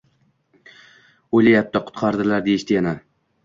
O‘lyapti, qutqarilar, deyishdi yana.